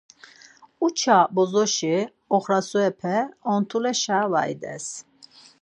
Uça bozoşi oxrasurepe ont̆uleşa var ides.